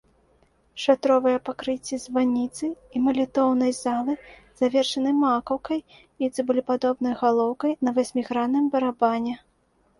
Шатровыя пакрыцці званіцы і малітоўнай залы завершаны макаўкай і цыбулепадобнай галоўкай на васьмігранным барабане.